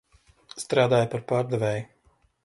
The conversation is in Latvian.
Strādāju par pārdevēju.